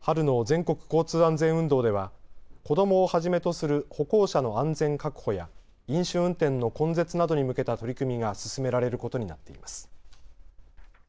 春の全国交通安全運動では子どもをはじめとする歩行者の安全確保や飲酒運転の根絶などに向けた取り組みが進められることになっています。